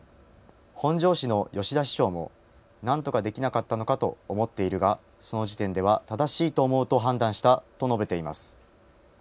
本庄市の吉田市長もなんとかできなかったのかと思っているがその時点では正しいと思うと判断したと述べています。